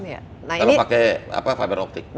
kalau pakai fiberoptik